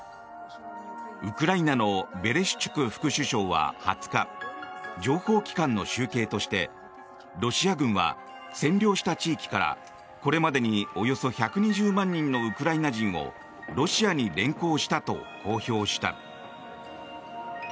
ウクライナのベレシュチュク副首相は２０日情報機関の集計としてロシア軍は占領した地域からこれまでにおよそ１２０万人のウクライナ人をロシアに連行したと公表した。